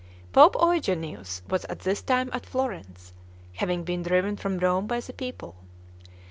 Pope Eugenius was at this time at Florence, having been driven from Rome by the people.